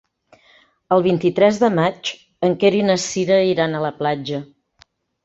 El vint-i-tres de maig en Quer i na Cira iran a la platja.